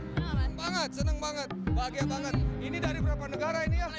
keren banget senang banget bahagia banget ini dari berapa negara ini ya